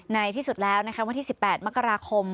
ในที่สุดแล้วนะคะวันที่๑๘มกราคม